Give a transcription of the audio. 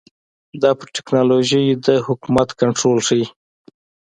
دا پر ټکنالوژۍ د حکومت کنټرول ښيي.